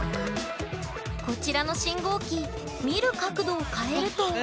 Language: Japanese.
こちらの信号機見る角度を変えると。